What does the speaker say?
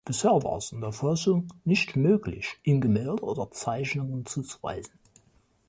Bisher war es der Forschung nicht möglich, ihm Gemälde oder Zeichnungen zuzuweisen.